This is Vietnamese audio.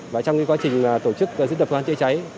và trong quá trình tổ chức dự đập khoản chữa cháy